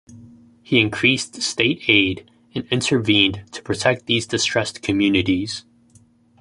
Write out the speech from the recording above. He increased state aid and intervened to protect these distressed communities.